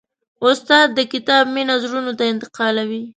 استاد د کتاب مینه زړونو ته انتقالوي.